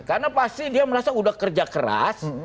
karena pasti dia merasa udah kerja keras